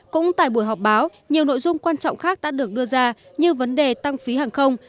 cũng tại buổi họp báo nhiều nội dung quan trọng khác đã được đưa ra như vấn đề tăng phí hàng không